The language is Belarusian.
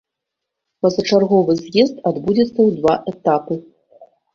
Пазачарговы з'езд адбудзецца ў два этапы.